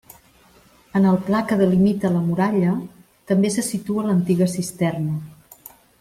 En el pla que delimita la muralla també se situa l'antiga cisterna.